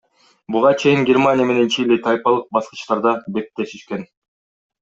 Буга чейин Германия менен Чили тайпалык баскычтарда беттешишкен.